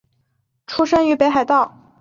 出身于北海道。